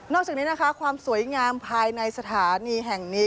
จากนี้นะคะความสวยงามภายในสถานีแห่งนี้